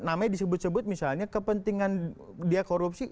namanya disebut sebut misalnya kepentingan dia korupsi